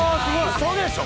ウソでしょ！